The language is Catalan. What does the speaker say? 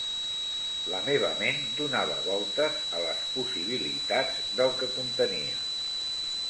La meva ment donava voltes a les possibilitats del que contenia.